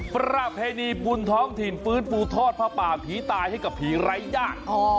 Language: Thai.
ประเพณีบุญท้องถิ่นฟื้นฟูทอดผ้าป่าผีตายให้กับผีไร้ญาติ